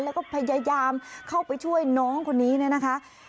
แล้วก็พยายามเข้าไปช่วยน้องคนนี้เนี่ยนะคะ